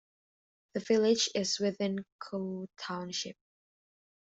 The village is within Coe Township.